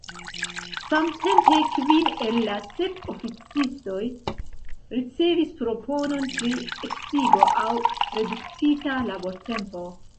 Samtempe kvin el la sep oficistoj ricevis proponon pri eksigo aŭ reduktita labortempo.